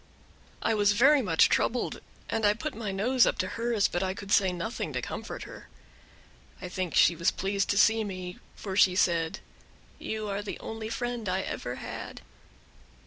I was very much troubled, and I put my nose up to hers, but I could say nothing to comfort her. I think she was pleased to see me, for she said, "You are the only friend I ever had."